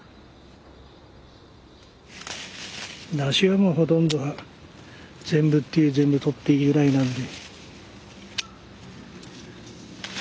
ナシはもうほとんど全部っていう全部とっていいぐらいなんで。